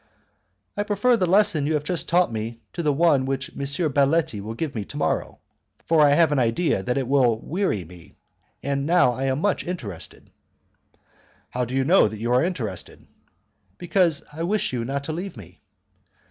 "I prefer the lesson you have just taught me to the one which M. Baletti will give me to morrow; for I have an idea that it will weary me, and now I am much interested." "How do you know that you are interested?" "Because I wish you not to leave me."